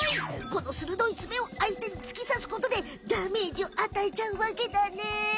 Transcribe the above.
この鋭い爪をあいてに突きさすことでダメージをあたえちゃうわけだね。